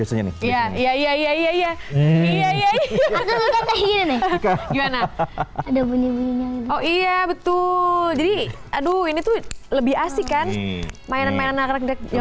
iya betul jadi aduh ini tuh lebih asyik kan main main anak anak jaman dulu